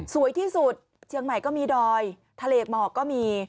สวยที่สุดเชียงใหม่ก็มีดอยทะเลหมอกก็มี